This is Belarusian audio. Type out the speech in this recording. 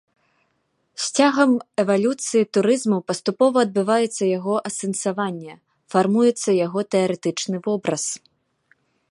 З цягам эвалюцыі турызму паступова адбываецца яго асэнсаванне, фармуецца яго тэарэтычны вобраз.